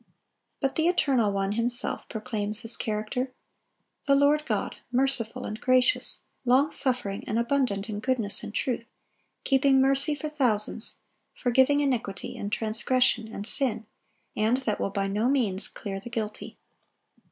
But the Eternal One Himself proclaims His character: "The Lord God, merciful and gracious, long suffering, and abundant in goodness and truth, keeping mercy for thousands, forgiving iniquity and transgression and sin, and that will by no means clear the guilty."